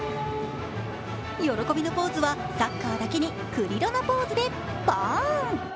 喜びのポーズは、サッカーだけにクリロナポーズでバーン！